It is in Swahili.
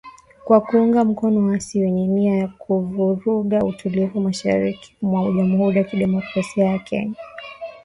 Kwa kuunga mkono waasi wenye nia ya kuvuruga utulivu Mashariki mwa Jamhuri ya kidemokrasia ya Kongo.